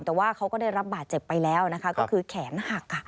แต่ว่าเขาก็ได้รับบาดเจ็บไปแล้วนะคะก็คือแขนหัก